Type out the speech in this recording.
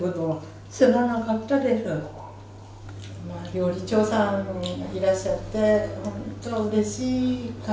料理長さんいらっしゃって本当うれしい限りです。